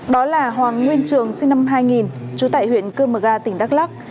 đó là hoàng nguyên trường sinh năm hai nghìn trú tại huyện cương mờ ga tỉnh đắk lắk